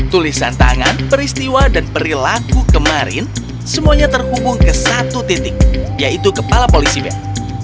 tulisan tangan peristiwa dan perilaku kemarin semuanya terhubung ke satu titik yaitu kepala polisi ben